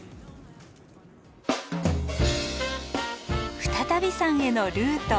再度山へのルート。